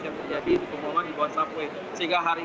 telah terjadi pengeboman di telah terjadi up cam teroris yang terjadi